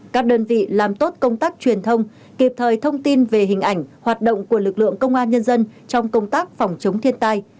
các đơn vị làm tốt công tác truyền thông kịp thời thông tin về hình ảnh hoạt động của lực lượng công an nhân dân trong công tác phòng chống thiên tai